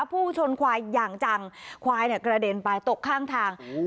พุ่งชนควายอย่างจังควายเนี่ยกระเด็นไปตกข้างทาง